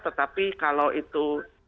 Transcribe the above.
tetapi kalau itu